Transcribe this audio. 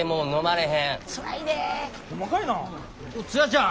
ツヤちゃん。